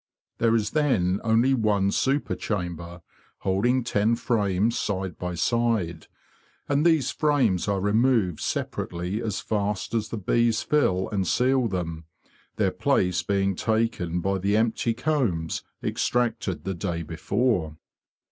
There is then only one super chamber, holding ten frames side by side, and these frames are removed separately as fast as the bees fill and seal them, their place being taken by the empty combs extracted the day before.